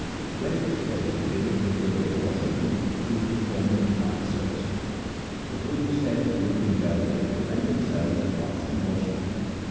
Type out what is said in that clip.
When it was day they would procure a washerman who would perform the required service. The Guru said it would be well if they went themselves at once and washed them.